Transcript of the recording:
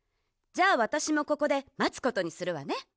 じゃあわたしもここでまつことにするわね。